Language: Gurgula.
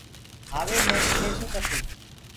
هآوي مي بيٚ لکسونٚ پڇي